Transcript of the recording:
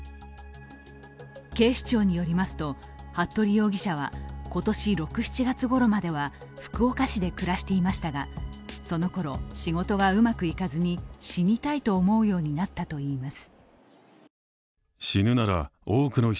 警視庁によりますと、服部容疑者は今年６７月ごろまでは福岡市で暮らしていましたがそのころ、仕事がうまくいかずに死にたいと思うようになったといいます。